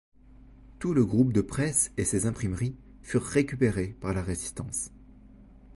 Tout le groupe de presse et ses imprimeries furent récupérés par la Résistance.